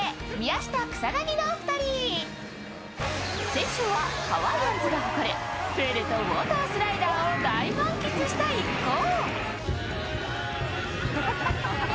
先週はハワイアンズが誇るプールとウォータースライダーを大満喫した一行。